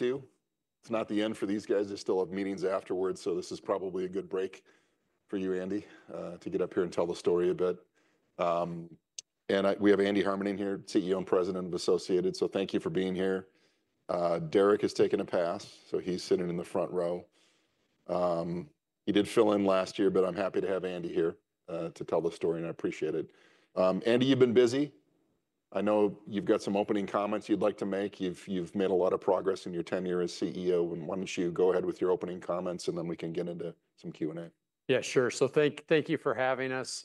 It's not the end for these guys. They still have meetings afterwards, so this is probably a good break for you, Andy, to get up here and tell the story a bit. And we have Andy Harmening here, CEO and President of Associated, so thank you for being here. Derek has taken a pass, so he's sitting in the front row. He did fill in last year, but I'm happy to have Andy here to tell the story, and I appreciate it. Andy, you've been busy. I know you've got some opening comments you'd like to make. You've made a lot of progress in your tenure as CEO, and why don't you go ahead with your opening comments, and then we can get into some Q&A? Yeah, sure. So thank you for having us.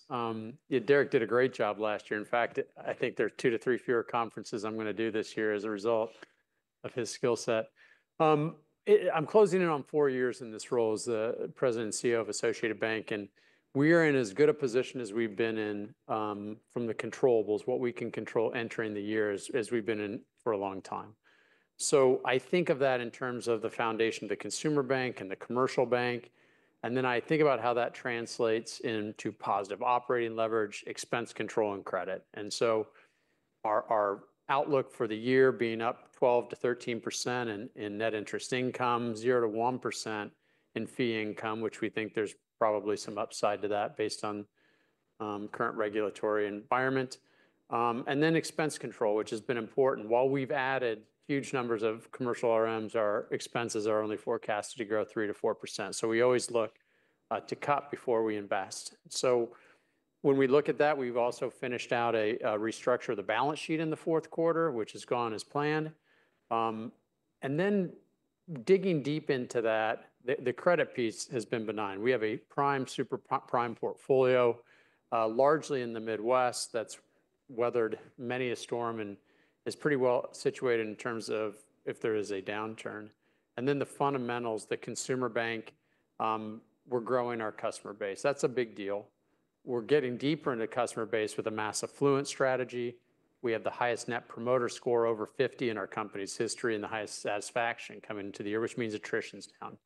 Derek did a great job last year. In fact, I think there's two to three fewer conferences I'm going to do this year as a result of his skill set. I'm closing in on four years in this role as the President and CEO of Associated Bank, and we are in as good a position as we've been in from the controllables. What we can control entering the year is we've been in for a long time. So I think of that in terms of the foundation, the consumer bank and the commercial bank, and then I think about how that translates into positive operating leverage, expense control, and credit. And so our outlook for the year being up 12%-13% in net interest income, 0%-1% in fee income, which we think there's probably some upside to that based on current regulatory environment. And then expense control, which has been important. While we've added huge numbers of commercial RMs, our expenses are only forecast to grow 3%-4%. So we always look to cut before we invest. So when we look at that, we've also finished out a restructure of the balance sheet in the fourth quarter, which has gone as planned. And then digging deep into that, the credit piece has been benign. We have a Prime, Super Prime portfolio, largely in the Midwest that's weathered many a storm and is pretty well situated in terms of if there is a downturn. And then the fundamentals, the consumer bank, we're growing our customer base. That's a big deal. We're getting deeper into customer base with a mass affluent strategy. We have the highest Net Promoter Score over 50 in our company's history and the highest satisfaction coming into the year, which means attrition's down.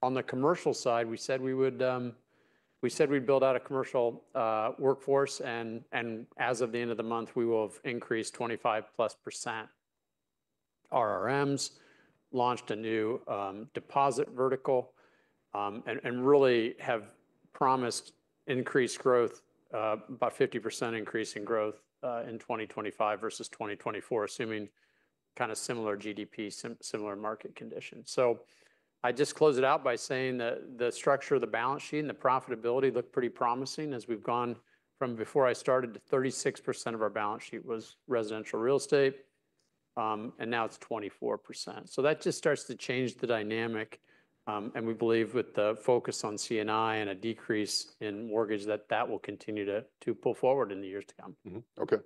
On the commercial side, we said we would build out a commercial workforce, and as of the end of the month, we will have increased 25+% RMs, launched a new deposit vertical, and really have promised increased growth, about 50% increase in growth in 2025 versus 2024, assuming kind of similar GDP, similar market conditions. So I just close it out by saying that the structure of the balance sheet and the profitability look pretty promising as we've gone from before I started to 36% of our balance sheet was residential real estate, and now it's 24%. So that just starts to change the dynamic, and we believe with the focus on C&I and a decrease in mortgage that will continue to pull forward in the years to come. Okay.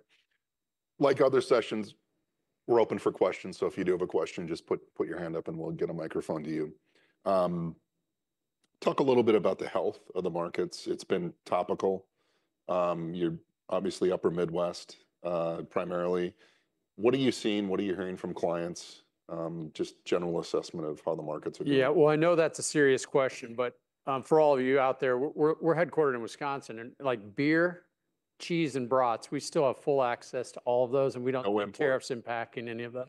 Like other sessions, we're open for questions. So if you do have a question, just put your hand up and we'll get a microphone to you. Talk a little bit about the health of the markets. It's been topical. You're obviously upper Midwest primarily. What are you seeing? What are you hearing from clients? Just general assessment of how the markets are doing. Yeah, well, I know that's a serious question, but for all of you out there, we're headquartered in Wisconsin, and like beer, cheese, and brats, we still have full access to all of those, and we don't have tariffs impacting any of them.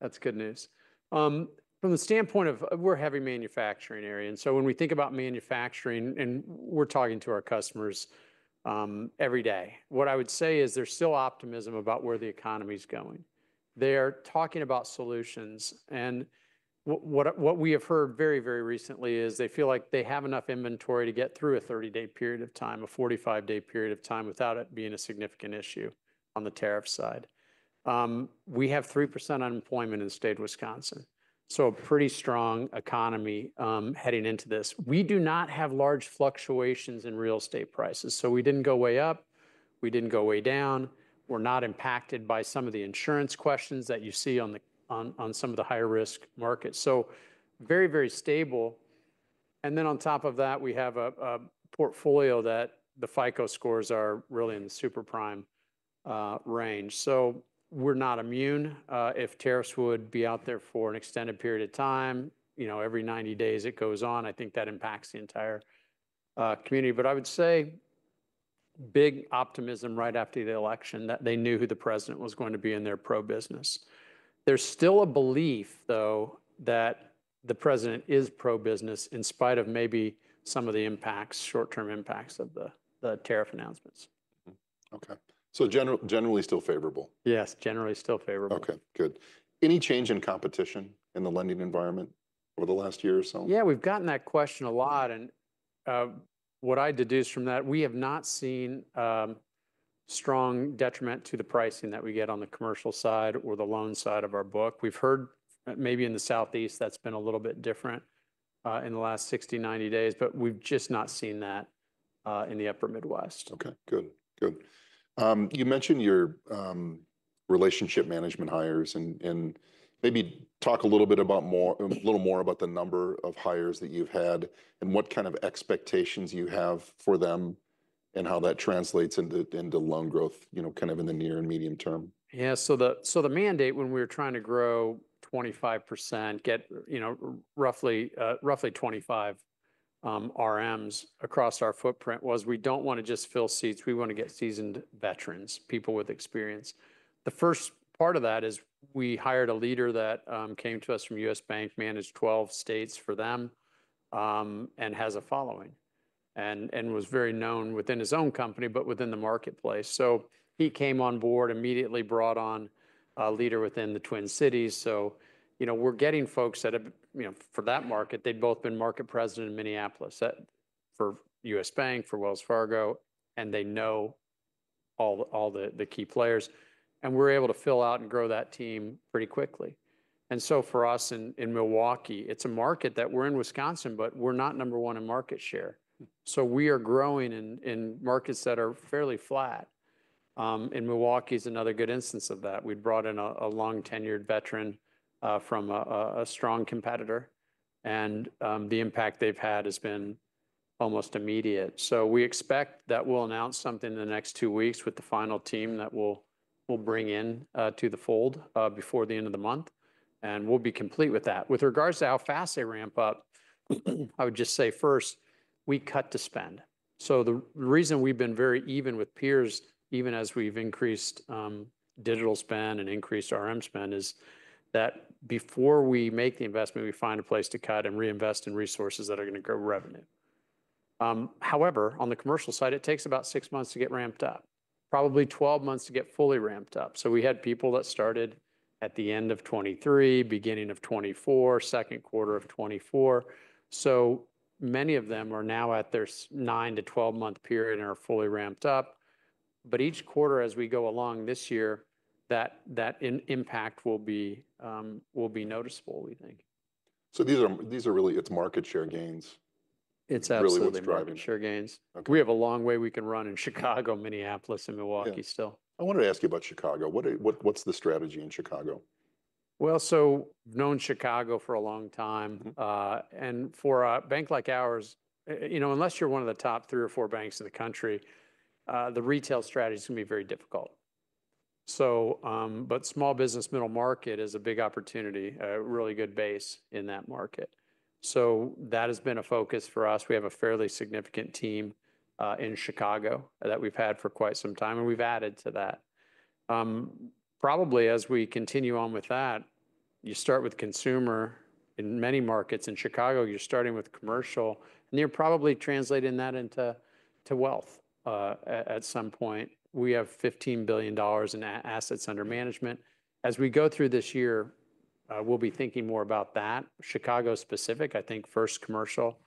That's good news. From the standpoint of, we're a heavy manufacturing area, and so when we think about manufacturing and we're talking to our customers every day, what I would say is there's still optimism about where the economy's going. They're talking about solutions, and what we have heard very, very recently is they feel like they have enough inventory to get through a 30-day period of time, a 45-day period of time without it being a significant issue on the tariff side. We have 3% unemployment in the state of Wisconsin, so a pretty strong economy heading into this. We do not have large fluctuations in real estate prices, so we didn't go way up. We didn't go way down. We're not impacted by some of the insurance questions that you see on some of the higher risk markets, so very, very stable, and then on top of that, we have a portfolio that the FICO scores are really in the super prime range, so we're not immune. If tariffs would be out there for an extended period of time, every 90 days it goes on, I think that impacts the entire community, but I would say big optimism right after the election that they knew who the president was going to be, it's pro-business. There's still a belief, though, that the president is pro-business in spite of maybe some of the impacts, short-term impacts of the tariff announcements. Okay, so generally still favorable. Yes, generally still favorable. Okay, good. Any change in competition in the lending environment over the last year or so? Yeah, we've gotten that question a lot. What I deduce from that, we have not seen strong detriment to the pricing that we get on the commercial side or the loan side of our book. We've heard maybe in the Southeast that's been a little bit different in the last 60-90 days, but we've just not seen that in the upper Midwest. Okay, good. Good. You mentioned your relationship management hires, and maybe talk a little more about the number of hires that you've had and what kind of expectations you have for them and how that translates into loan growth, kind of in the near and medium term. Yeah, so the mandate when we were trying to grow 25%, get roughly 25 RMs across our footprint was we don't want to just fill seats. We want to get seasoned veterans, people with experience. The first part of that is we hired a leader that came to us from U.S. Bank, managed 12 states for them, and has a following and was very known within his own company, but within the marketplace. So he came on board, immediately brought on a leader within the Twin Cities. So we're getting folks that for that market, they'd both been market president in Minneapolis for U.S. Bank, for Wells Fargo, and they know all the key players. And we're able to fill out and grow that team pretty quickly. And so for us in Milwaukee, it's a market that we're in Wisconsin, but we're not number one in market share. So we are growing in markets that are fairly flat. And Milwaukee is another good instance of that. We brought in a long-tenured veteran from a strong competitor, and the impact they've had has been almost immediate. So we expect that we'll announce something in the next two weeks with the final team that we'll bring in to the fold before the end of the month, and we'll be complete with that. With regards to how fast they ramp up, I would just say first, we cut to spend. So the reason we've been very even with peers, even as we've increased digital spend and increased RM spend, is that before we make the investment, we find a place to cut and reinvest in resources that are going to grow revenue. However, on the commercial side, it takes about six months to get ramped up, probably 12 months to get fully ramped up. So we had people that started at the end of 2023, beginning of 2024, second quarter of 2024. So many of them are now at their nine to 12-month period and are fully ramped up. But each quarter as we go along this year, that impact will be noticeable, we think. These are really its market share gains? It's absolutely market share gains. We have a long way we can run in Chicago, Minneapolis, and Milwaukee still. I wanted to ask you about Chicago. What's the strategy in Chicago? I've known Chicago for a long time. For a bank like ours, unless you're one of the top three or four banks in the country, the retail strategy is going to be very difficult. Small business, middle market is a big opportunity, a really good base in that market. That has been a focus for us. We have a fairly significant team in Chicago that we've had for quite some time, and we've added to that. Probably as we continue on with that, you start with consumer in many markets in Chicago, you're starting with commercial, and you're probably translating that into wealth at some point. We have $15 billion in assets under management. As we go through this year, we'll be thinking more about that, Chicago specific. I think first commercial,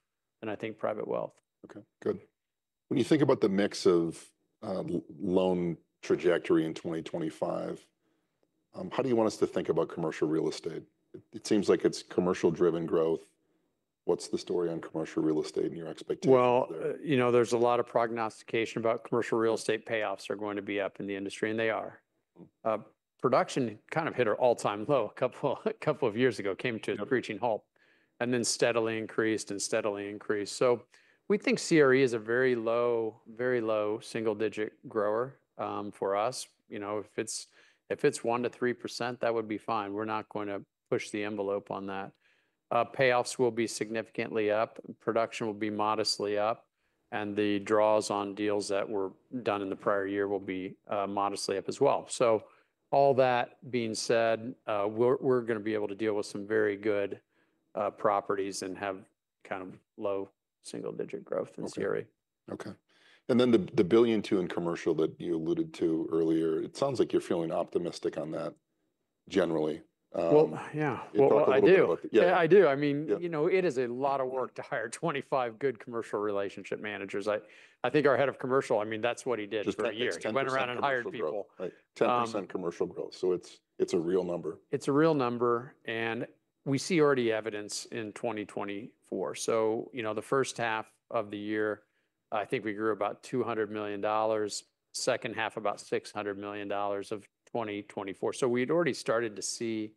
and I think private wealth. Okay, good. When you think about the mix of loan trajectory in 2025, how do you want us to think about Commercial Real estate? It seems like it's commercial-driven growth. What's the story on commercial real estate and your expectations there? Well, you know there's a lot of prognostication about commercial real estate payoffs are going to be up in the industry, and they are. Production kind of hit an all-time low a couple of years ago, came to a screeching halt and then steadily increased and steadily increased. So we think CRE is a very low, very low single-digit grower for us. If it's 1%-3%, that would be fine. We're not going to push the envelope on that. Payoffs will be significantly up. Production will be modestly up, and the draws on deals that were done in the prior year will be modestly up as well. So all that being said, we're going to be able to deal with some very good properties and have kind of low single-digit growth in CRE. Okay. And then the $1.2 billion in commercial that you alluded to earlier, it sounds like you're feeling optimistic on that generally. Well, yeah, I do. Yeah, I do. I mean, you know, it is a lot of work to hire 25 good commercial relationship managers. I think our head of commercial, I mean, that's what he did for a year. He went around and hired people. 10% commercial growth. So it's a real number. It's a real number. And we see already evidence in 2024. So the first half of the year, I think we grew about $200 million, second half about $600 million of 2024. So we had already started to see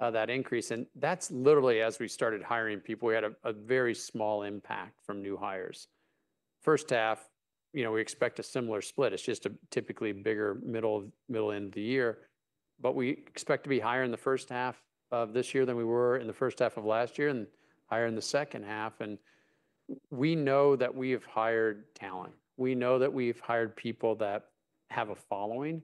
that increase. And that's literally as we started hiring people, we had a very small impact from new hires. First half, we expect a similar split. It's just a typically bigger middle end of the year. But we expect to be higher in the first half of this year than we were in the first half of last year and higher in the second half. And we know that we have hired talent. We know that we've hired people that have a following,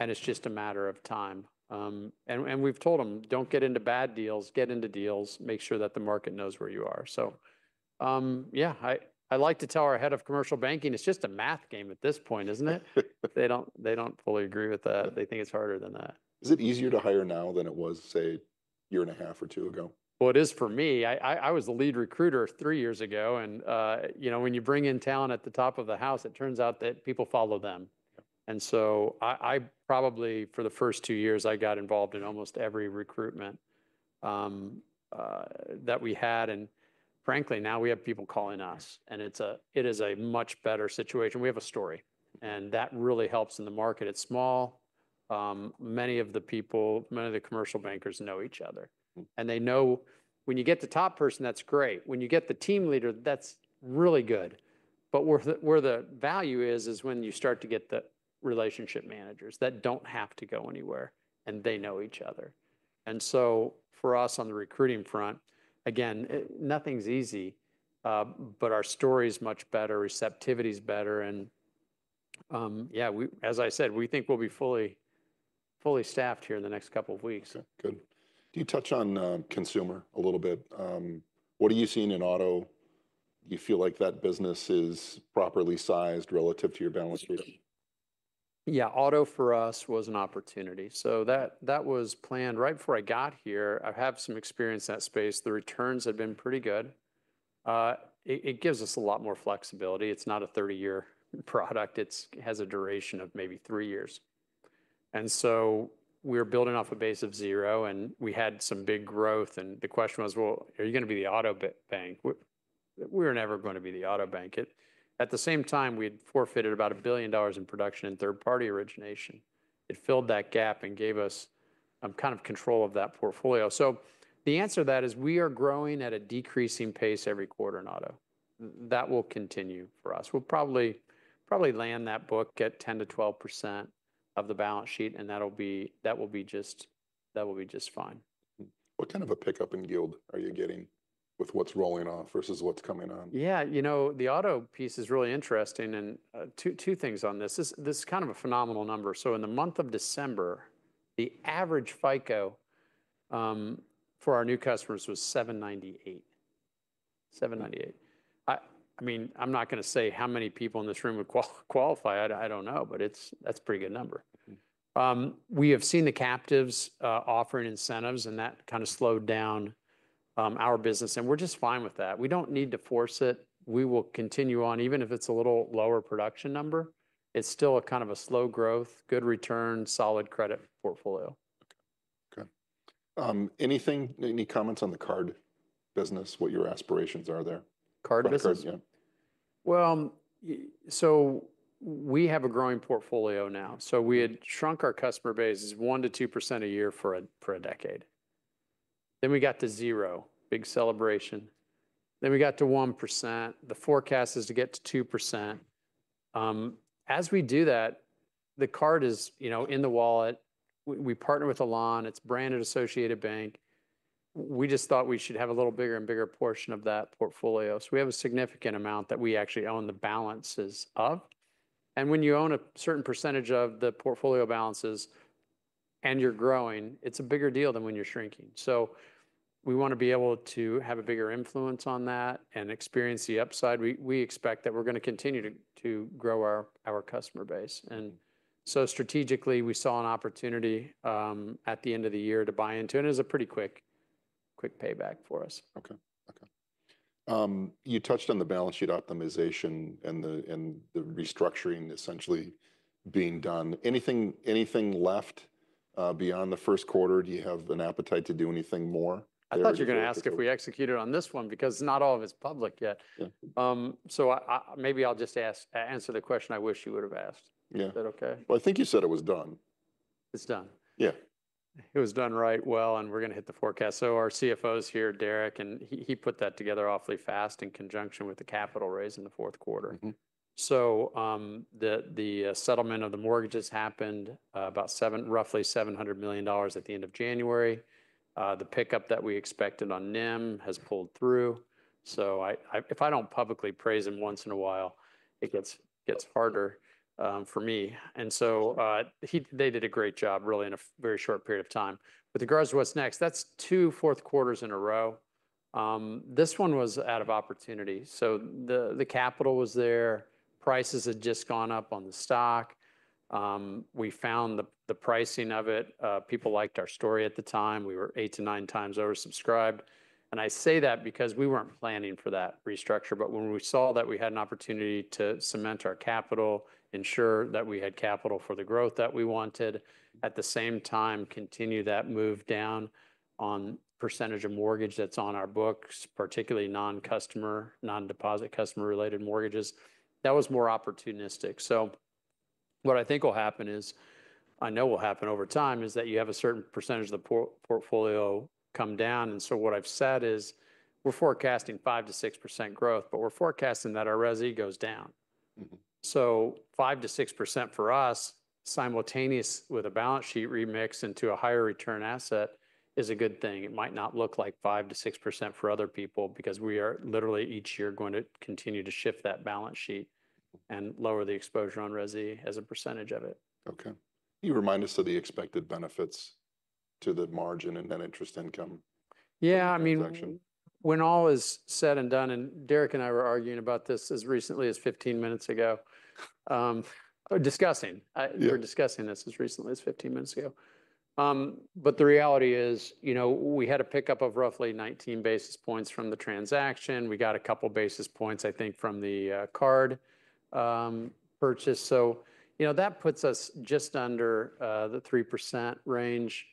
and it's just a matter of time. And we've told them, don't get into bad deals, get into deals, make sure that the market knows where you are. So yeah, I like to tell our head of commercial banking, it's just a math game at this point, isn't it? They don't fully agree with that. They think it's harder than that. Is it easier to hire now than it was, say, a year and a half or two ago? Well, it is for me. I was the lead recruiter three years ago. And when you bring in talent at the top of the house, it turns out that people follow them. And so I probably for the first two years, I got involved in almost every recruitment that we had. And frankly, now we have people calling us, and it is a much better situation. We have a story, and that really helps in the market. It's small. Many of the people, many of the commercial bankers know each other. And they know when you get the top person, that's great. When you get the team leader, that's really good. But where the value is, is when you start to get the relationship managers that don't have to go anywhere, and they know each other. And so for us on the recruiting front, again, nothing's easy, but our story is much better, receptivity is better. And yeah, as I said, we think we'll be fully staffed here in the next couple of weeks. Good. Do you touch on consumer a little bit? What are you seeing in auto? You feel like that business is properly sized relative to your balance sheet? Yeah, auto for us was an opportunity. So that was planned right before I got here. I have some experience in that space. The returns have been pretty good. It gives us a lot more flexibility. It's not a 30-year product. It has a duration of maybe three years. And so we're building off a base of zero, and we had some big growth. And the question was, well, are you going to be the auto bank? We're never going to be the auto bank. At the same time, we had forfeited about $1 billion in production and third-party origination. It filled that gap and gave us kind of control of that portfolio. So the answer to that is we are growing at a decreasing pace every quarter in auto. That will continue for us. We'll probably land that book, get 10%-12% of the balance sheet, and that'll be just fine. What kind of a pickup in yield are you getting with what's rolling off versus what's coming on? Yeah, you know the auto piece is really interesting. And two things on this. This is kind of a phenomenal number. So in the month of December, the average FICO for our new customers was 798, 798. I mean, I'm not going to say how many people in this room would qualify. I don't know, but that's a pretty good number. We have seen the captives offering incentives, and that kind of slowed down our business. And we're just fine with that. We don't need to force it. We will continue on. Even if it's a little lower production number, it's still a kind of a slow growth, good return, solid credit portfolio. Okay. Any comments on the card business, what your aspirations are there? Card business? Card business, yeah. Well, so we have a growing portfolio now. So we had shrunk our customer base by 1%-2% a year for a decade. Then we got to 0%, big celebration. Then we got to 1%. The forecast is to get to 2%. As we do that, the card is in the wallet. We partner with Elan. It's branded Associated Bank. We just thought we should have a little bigger and bigger portion of that portfolio. So we have a significant amount that we actually own the balances of. And when you own a certain percentage of the portfolio balances and you're growing, it's a bigger deal than when you're shrinking. So we want to be able to have a bigger influence on that and experience the upside. We expect that we're going to continue to grow our customer base. And so strategically, we saw an opportunity at the end of the year to buy into it. And it was a pretty quick payback for us. Okay. You touched on the balance sheet optimization and the restructuring essentially being done. Anything left beyond the first quarter? Do you have an appetite to do anything more? I thought you were going to ask if we executed on this one because not all of it's public yet. So maybe I'll just answer the question I wish you would have asked. Is that okay? I think you said it was done. It's done. Yeah. It was done right well. And we're going to hit the forecast. So our CFO is here, Derek, and he put that together awfully fast in conjunction with the capital raise in the fourth quarter. So the settlement of the mortgages happened about roughly $700 million at the end of January. The pickup that we expected on NIM has pulled through. So if I don't publicly praise him once in a while, it gets harder for me. And so they did a great job really in a very short period of time. With regards to what's next, that's two fourth quarters in a row. This one was out of opportunity. So the capital was there. Prices had just gone up on the stock. We found the pricing of it. People liked our story at the time. We were 8x-9x oversubscribed. I say that because we weren't planning for that restructure. When we saw that we had an opportunity to cement our capital, ensure that we had capital for the growth that we wanted, at the same time continue that move down on percentage of mortgage that's on our books, particularly non-customer, non-deposit-customer-related mortgages. That was more opportunistic. What I think will happen is, I know will happen over time, is that you have a certain percentage of the portfolio come down. So what I've said is we're forecasting 5%-6% growth, but we're forecasting that our resi goes down. 5%-6% for us, simultaneous with a balance sheet remix into a higher return asset is a good thing. It might not look like 5%-6% for other people because we are literally each year going to continue to shift that balance sheet and lower the exposure on resi as a percentage of it. Okay. Can you remind us of the expected benefits to the margin and net interest income? Yeah, I mean, when all is said and done, and Derek and I were arguing about this as recently as 15 minutes ago. We're discussing this as recently as 15 minutes ago. But the reality is, you know, we had a pickup of roughly 19 basis points from the transaction. We got a couple basis points, I think, from the card purchase. So you know that puts us just under the 3% range.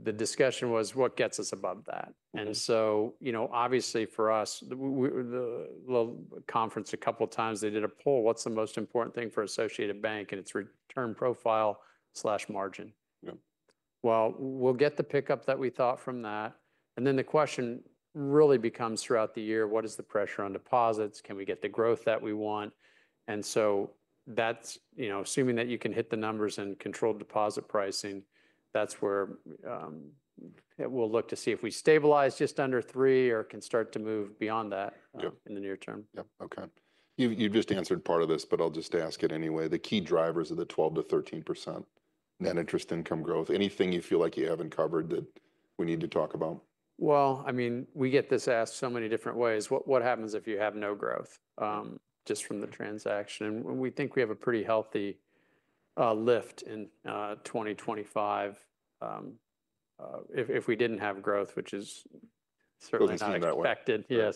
The discussion was what gets us above that. And so you know obviously for us, the conference a couple of times, they did a poll, what's the most important thing for Associated Bank and its return profile slash margin? Well, we'll get the pickup that we thought from that. And then the question really becomes throughout the year, what is the pressure on deposits? Can we get the growth that we want? That's assuming that you can hit the numbers and control deposit pricing. That's where we'll look to see if we stabilize just under three or can start to move beyond that in the near term. Okay. You've just answered part of this, but I'll just ask it anyway. The key drivers of the 12%-13% net interest income growth, anything you feel like you haven't covered that we need to talk about? Well, I mean, we get this asked so many different ways. What happens if you have no growth just from the transaction? And we think we have a pretty healthy lift in 2025 if we didn't have growth, which is certainly not expected. Not that way.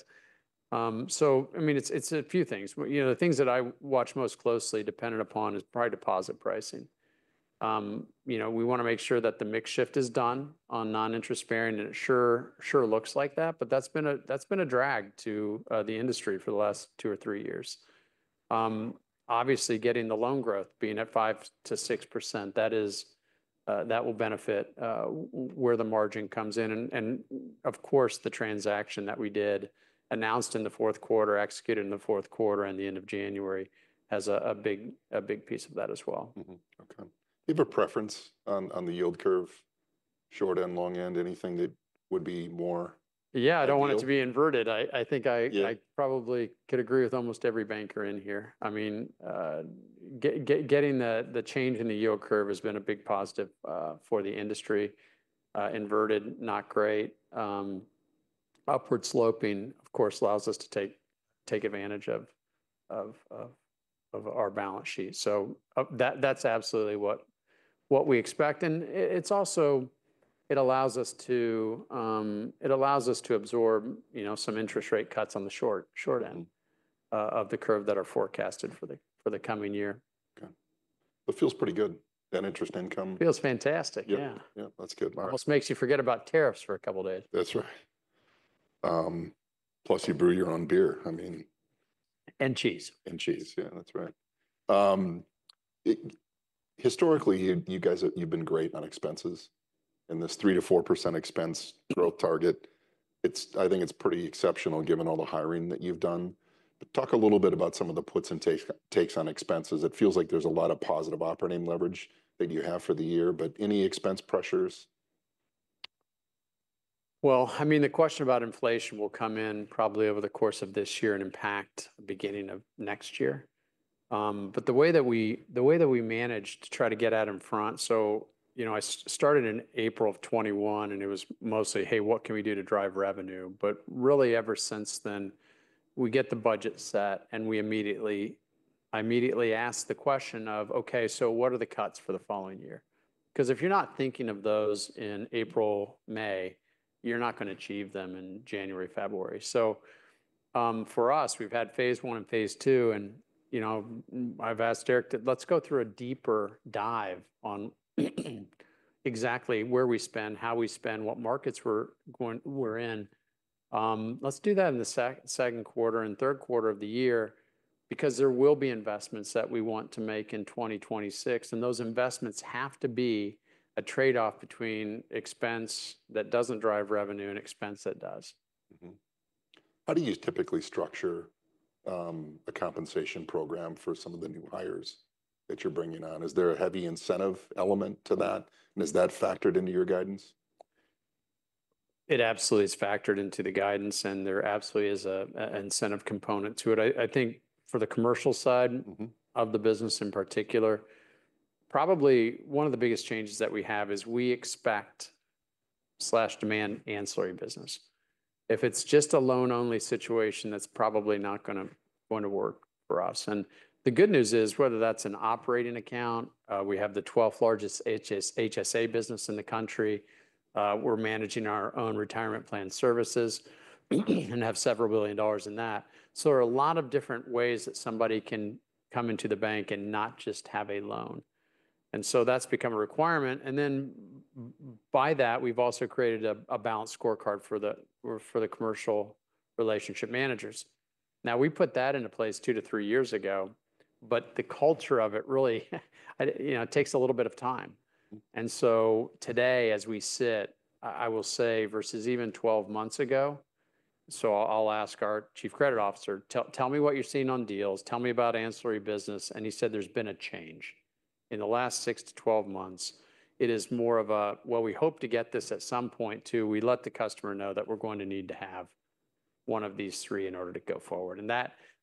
Yes. So I mean, it's a few things. The things that I watch most closely dependent upon is probably deposit pricing. We want to make sure that the mix shift is done on non-interest bearing. And it sure looks like that. But that's been a drag to the industry for the last two or three years. Obviously, getting the loan growth being at 5%-6%, that will benefit where the margin comes in. And of course, the transaction that we did announced in the fourth quarter, executed in the fourth quarter and the end of January has a big piece of that as well. Okay. Do you have a preference on the yield curve, short end, long end, anything that would be more? Yeah, I don't want it to be inverted. I think I probably could agree with almost every banker in here. I mean, getting the change in the yield curve has been a big positive for the industry. Inverted, not great. Upward sloping, of course, allows us to take advantage of our balance sheet. So that's absolutely what we expect, and it allows us to absorb some interest rate cuts on the short end of the curve that are forecasted for the coming year. Okay. But feels pretty good, that interest income. Feels fantastic. Yeah. Yeah. That's good. Almost makes you forget about tariffs for a couple of days. That's right. Plus you brew your own beer, I mean. And cheese. And cheese. Yeah, that's right. Historically, you've been great on expenses in this 3%-4% expense growth target. I think it's pretty exceptional given all the hiring that you've done. Talk a little bit about some of the puts and takes on expenses. It feels like there's a lot of positive operating leverage that you have for the year. But any expense pressures? I mean, the question about inflation will come in probably over the course of this year and impact the beginning of next year. But the way that we managed to try to get out in front, so I started in April of 2021, and it was mostly, hey, what can we do to drive revenue? But really, ever since then, we get the budget set, and I immediately asked the question of, okay, so what are the cuts for the following year? Because if you're not thinking of those in April, May, you're not going to achieve them in January, February. So for us, we've had Phase I and Phase II and I've asked Derek to let's go through a deeper dive on exactly where we spend, how we spend, what markets we're in. Let's do that in the second quarter and third quarter of the year because there will be investments that we want to make in 2026, and those investments have to be a trade-off between expense that doesn't drive revenue and expense that does. How do you typically structure a compensation program for some of the new hires that you're bringing on? Is there a heavy incentive element to that? And is that factored into your guidance? It absolutely is factored into the guidance, and there absolutely is an incentive component to it. I think for the commercial side of the business in particular, probably one of the biggest changes that we have is we expect to demand ancillary business. If it's just a loan-only situation, that's probably not going to work for us. And the good news is, whether that's an operating account, we have the 12th largest HSA business in the country. We're managing our own retirement plan services and have several billion dollars in that. So there are a lot of different ways that somebody can come into the bank and not just have a loan, and so that's become a requirement. And then by that, we've also created a balanced scorecard for the commercial relationship managers. Now, we put that into place two to three years ago, but the culture of it really takes a little bit of time, and so today, as we sit, I will say, versus even 12 months ago, so I'll ask our Chief Credit Officer, tell me what you're seeing on deals, tell me about ancillary business, and he said there's been a change in the last 6 months-12 months. It is more of a, well, we hope to get this at some point too. We let the customer know that we're going to need to have one of these three in order to go forward, and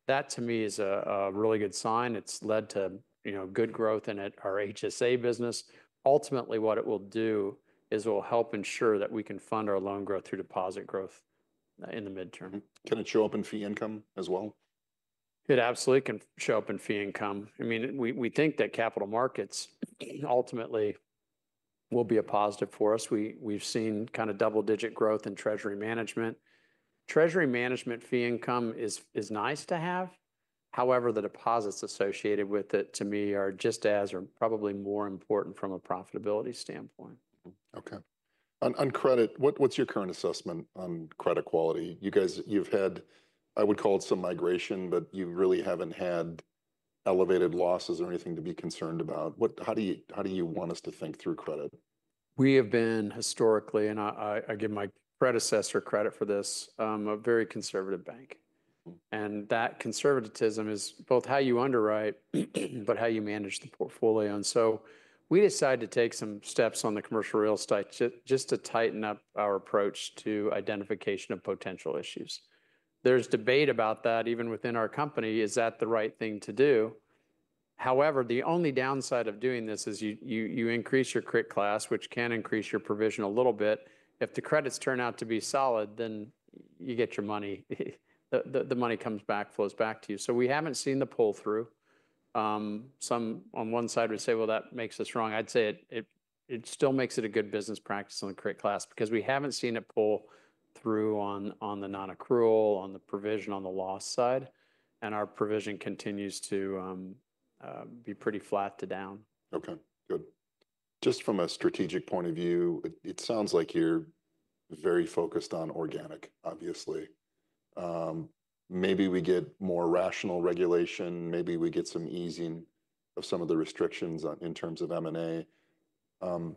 that, to me, is a really good sign. It's led to good growth in our HSA business. Ultimately, what it will do is it will help ensure that we can fund our loan growth through deposit growth in the midterm. Can it show up in fee income as well? It absolutely can show up in fee income. I mean, we think that capital markets ultimately will be a positive for us. We've seen kind of double-digit growth in treasury management. Treasury management fee income is nice to have. However, the deposits associated with it, to me, are just as or probably more important from a profitability standpoint. Okay. On credit, what's your current assessment on credit quality? You've had, I would call it some migration, but you really haven't had elevated losses or anything to be concerned about. How do you want us to think through credit? We have been historically, and I give my predecessor credit for this, a very conservative bank. And that conservatism is both how you underwrite but how you manage the portfolio. And so we decided to take some steps on the commercial real estate just to tighten up our approach to identification of potential issues. There's debate about that even within our company, is that the right thing to do? However, the only downside of doing this is you increase your CRIT class, which can increase your provision a little bit. If the credits turn out to be solid, then you get your money. The money comes back, flows back to you. So we haven't seen the pull-through. Some on one side would say, well, that makes us wrong. I'd say it still makes it a good business practice on the CRIT class because we haven't seen it pull through on the non-accrual, on the provision, on the loss side. And our provision continues to be pretty flat to down. Okay. Good. Just from a strategic point of view, it sounds like you're very focused on organic, obviously. Maybe we get more rational regulation. Maybe we get some easing of some of the restrictions in terms of M&A.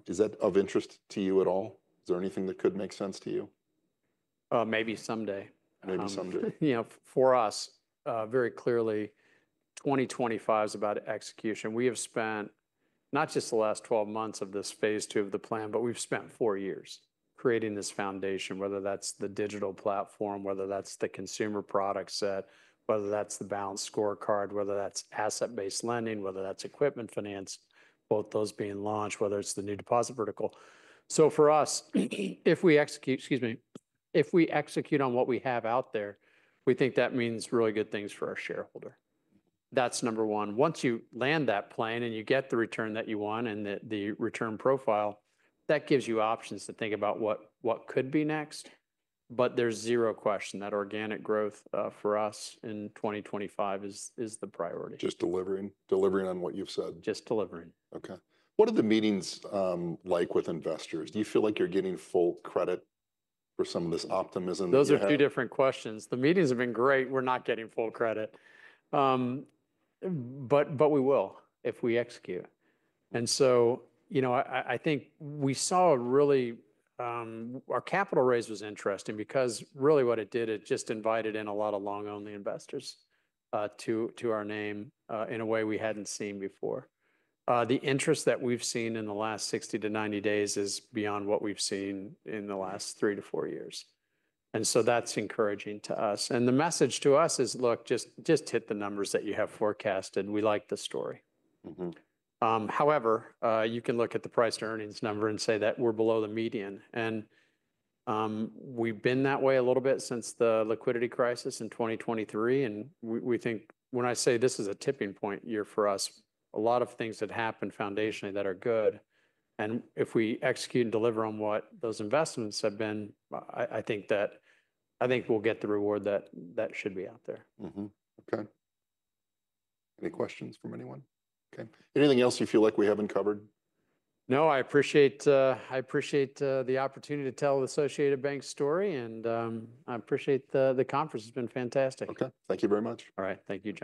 Is that of interest to you at all? Is there anything that could make sense to you? Maybe someday. Maybe someday. For us, very clearly, 2025 is about execution. We have spent not just the last 12 months of this phase II of the plan, but we've spent four years creating this foundation, whether that's the digital platform, whether that's the consumer product set, whether that's the balanced scorecard, whether that's asset-based lending, whether that's equipment finance, both those being launched, whether it's the new deposit vertical. So for us, if we execute, excuse me, if we execute on what we have out there, we think that means really good things for our shareholder. That's number one. Once you land that plan and you get the return that you want and the return profile, that gives you options to think about what could be next. But there's zero question that organic growth for us in 2025 is the priority. Just delivering on what you've said. Just delivering. Okay. What are the meetings like with investors? Do you feel like you're getting full credit for some of this optimism? Those are two different questions. The meetings have been great. We're not getting full credit. But we will if we execute. And so you know I think we saw really our capital raise was interesting because really what it did, it just invited in a lot of long-only investors to our name in a way we hadn't seen before. The interest that we've seen in the last 60 days-90 days is beyond what we've seen in the last three-four years. And so that's encouraging to us. And the message to us is, look, just hit the numbers that you have forecast, and we like the story. However, you can look at the price-to-earnings number and say that we're below the median. And we've been that way a little bit since the liquidity crisis in 2023. And we think when I say this is a tipping point year for us, a lot of things that happened foundationally that are good. And if we execute and deliver on what those investments have been, I think we'll get the reward that should be out there. Okay. Any questions from anyone? Okay. Anything else you feel like we haven't covered? No, I appreciate the opportunity to tell the Associated Bank story. I appreciate the conference. It's been fantastic. Okay. Thank you very much. All right. Thank you, John.